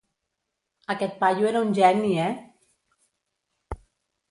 Aquest paio era un geni, eh?